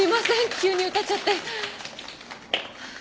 急に歌っちゃって。